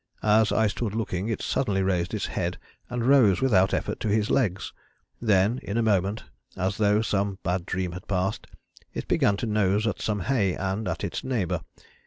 As I stood looking it suddenly raised its head and rose without effort to its legs; then in a moment, as though some bad dream had passed, it began to nose at some hay and at its neighbour.